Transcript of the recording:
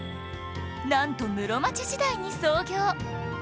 なんと室町時代に創業